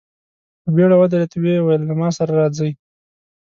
په بېړه ودرېد، ويې ويل: له ما سره راځئ!